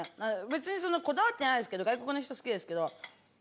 別にこだわってないですけど外国の人好きですけど何かバレたくないじゃん。